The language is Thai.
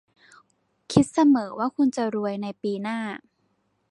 คิดเสมอว่าคุณจะรวยในปีหน้า